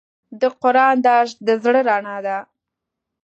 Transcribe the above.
د قرآن درس د زړه رڼا ده.